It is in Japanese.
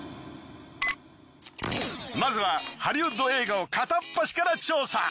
まずはハリウッド映画を片っ端から調査。